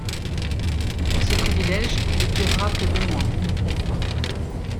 Ce privilège ne durera que deux mois.